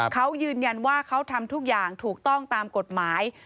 เขายืนยันว่าเขาทำทุกอย่างถูกต้องตามกฎหมาย